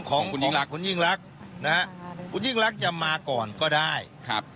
ของคุณยิ่งรักคุณยิ่งรักนะฮะคุณยิ่งรักจะมาก่อนก็ได้ครับ